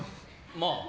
まあ。